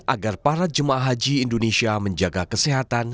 agar para jemaah haji indonesia menjaga kesehatan